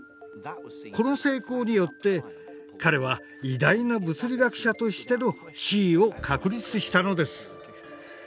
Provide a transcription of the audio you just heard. この成功によって彼は偉大な物理学者としての地位を確立したのです。